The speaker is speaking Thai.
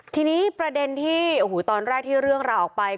ทีนี้ประเด็นที่โอ้โหตอนแรกที่เรื่องราวออกไป